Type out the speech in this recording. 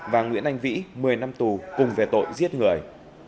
và nguyễn anh vĩ một mươi năm tù cùng về tội giết người